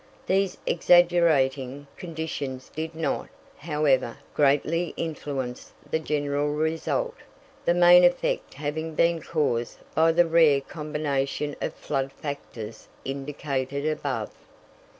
These exaggerating conditions did not, however, greatly influence the general result, the main effect having been caused by the rare combination of flood factors indicated above.